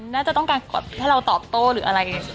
น่าจะต้องการถ้าเราตอบโต้หรืออะไร